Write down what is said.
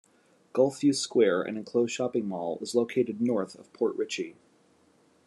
Gulf View Square, an enclosed shopping mall, is located north of Port Richey.